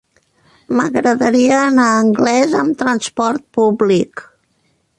M'agradaria anar a Anglès amb trasport públic.